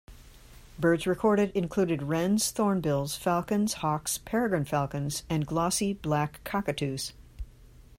Birds recorded include wrens, thornbills, falcons, hawks, peregrine falcons and glossy black cockatoos.